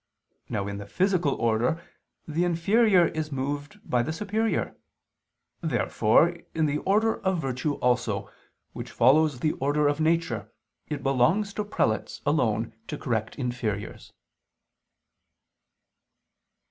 Now in the physical order the inferior is moved by the superior. Therefore in the order of virtue also, which follows the order of nature, it belongs to prelates alone to correct inferiors.